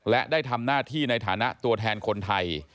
และได้ทำหน้าที่ในฐานะตัวแทนคนไทย